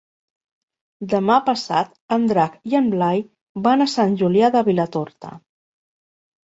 Demà passat en Drac i en Blai van a Sant Julià de Vilatorta.